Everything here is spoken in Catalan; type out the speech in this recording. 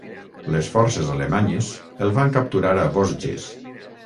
Les forces alemanyes el van capturar a Vosges.